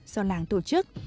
do làng tổ chức